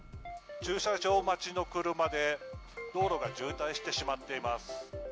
駐車場待ちの車で、道路が渋滞してしまっています。